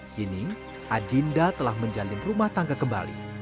kini adinda telah menjalin rumah tangga kembali